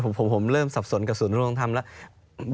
เดี๋ยวผมเริ่มสับสนกับศูนย์ดำรงธรรมแล้ว